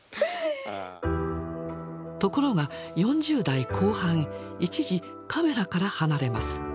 ところが４０代後半一時カメラから離れます。